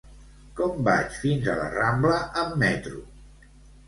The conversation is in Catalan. Com vaig fins a la Rambla amb metro?